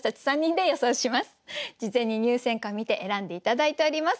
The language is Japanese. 事前に入選歌を見て選んで頂いております。